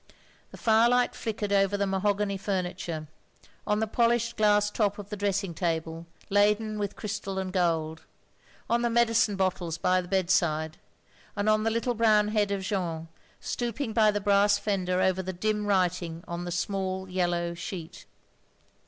The firelight flickered over the mahogany f timiture ; on the polished glass top of the dressing table, laden with crystal and gold ; on the medicine bottles by the bedside; and on the little brown head of Jeanne, stooping by the brass fender over the dim writing on the small yellow sheet.